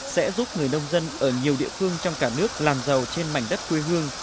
sẽ giúp người nông dân ở nhiều địa phương trong cả nước làm giàu trên mảnh đất quê hương